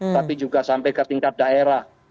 tapi juga sampai ke tingkat daerah